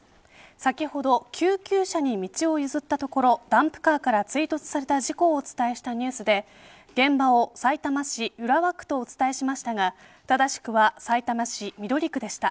先ほど救急車に道を譲ったところダンプカーから追突された事故をお伝えしたニュースで現場を、さいたま市浦和区とお伝えしましたが正しくはさいたま市緑区でした。